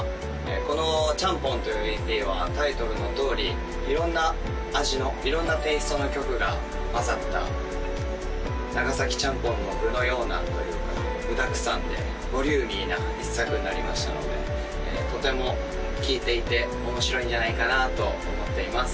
この「Ｃｈａｍｐｏｎ」というＥＰはタイトルのとおり色んな味の色んなテイストの曲が混ざった長崎ちゃんぽんの具のようなというか具だくさんでボリューミーな一作になりましたのでとても聴いていて面白いんじゃないかなと思っています